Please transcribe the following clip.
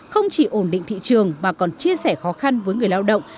không chỉ ổn định thị trường mà còn chia sẻ khó khăn với người lao động